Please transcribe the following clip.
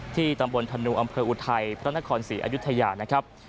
ตำบลธนูอำเภออุทัยพระนครศรีอายุทยานะครับ